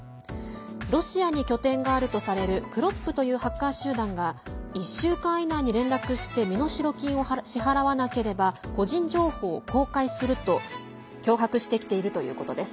ロシアに拠点があるとされるクロップというハッカー集団が１週間以内に連絡して身代金を支払わなければ個人情報を公開すると脅迫してきているということです。